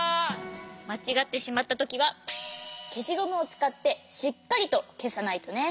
まちがってしまったときはけしゴムをつかってしっかりとけさないとね。